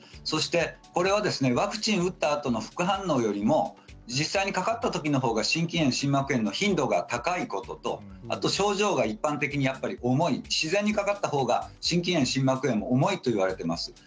そしてこれはワクチンを打ったあと副反応よりも実際にかかったときのほうが心筋炎、心膜炎の頻度が高いことと症状が一般的に重い自然にかかったほうが心筋炎心膜炎は重いといわれています。